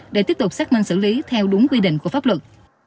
để tiếp tục xác minh xử lý theo đúng quy định của pháp luật